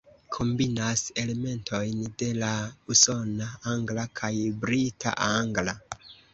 Kombinas elementojn de la usona angla kaj brita angla.